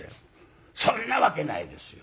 そんなわけないですよ。